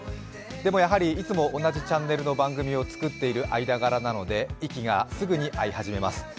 でも、やはりいつも同じチャンネルの番組を作っている間柄なので息がすぐに合い始めます。